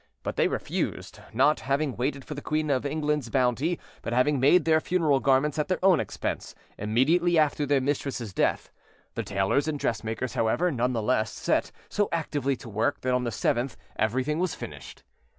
But they refused, not having waited for the Queen of England's bounty, but having made their funeral garments at their own expense, immediately after their mistress's death. The tailors and dressmakers, however, none the less set so actively to work that on the 7th everything was finished.